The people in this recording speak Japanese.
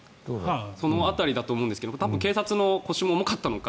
その辺りだと思いますが多分、警察も腰が重かったのか